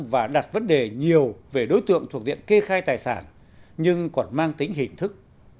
và đặt vấn đề nhiều về đối tượng thuộc diện kê khai tài sản nhưng còn mang tính hình thức